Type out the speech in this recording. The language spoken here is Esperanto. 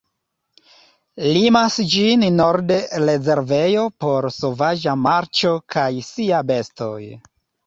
Limas ĝin norde rezervejo por sovaĝa marĉo kaj sia bestoj.